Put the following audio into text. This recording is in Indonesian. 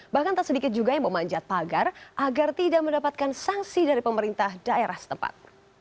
bahkan tak sedikit juga yang memanjat pagar agar tidak mendapatkan sanksi dari pemerintah daerah setempat